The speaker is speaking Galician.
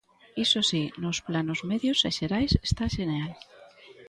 Iso si, nos planos medios e xerais está xenial.